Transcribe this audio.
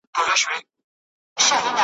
بس همدا مو وروستی جنګ سو په بري به هوسیږو `